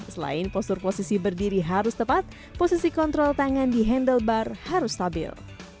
selain posisi berdiri harus tepat posisi kontrol tangan di handlebar harus stabil